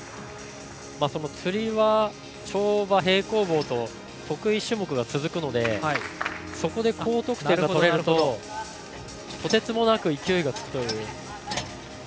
つり輪、跳馬、平行棒と得意種目が続くのでそこで高得点が重なるととてつもなく勢いがつくという。